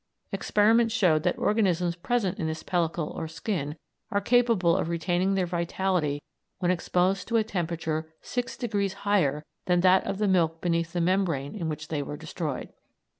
Experiments showed that organisms present in this pellicle or skin were capable of retaining their vitality when exposed to a temperature six degrees higher than that of the milk beneath the membrane in which they were destroyed.